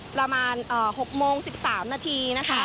ประมาณ๖โมง๑๓นาทีนะคะ